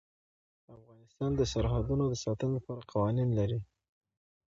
افغانستان د سرحدونه د ساتنې لپاره قوانین لري.